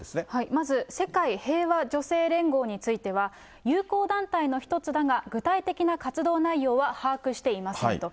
まず世界平和女性連合については、友好団体の一つだが、具体的な活動内容は把握していませんと。